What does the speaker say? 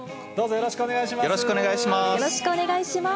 よろしくお願いします。